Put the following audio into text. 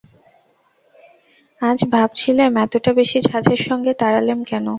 আজ ভাবছিলেম, এতটা বেশি ঝাঁজের সঙ্গে তাড়ালেম কেন।